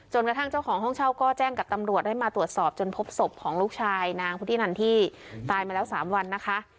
กระทั่งเจ้าของห้องเช่าก็แจ้งกับตำรวจให้มาตรวจสอบจนพบศพของลูกชายนางพุทธินันที่ตายมาแล้ว๓วันนะคะ